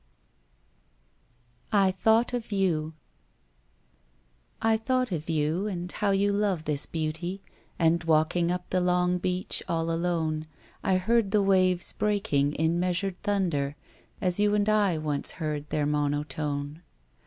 "I Thought of You" I thought of you and how you love this beauty, And walking up the long beach all alone I heard the waves breaking in measured thunder As you and I once heard their monotone.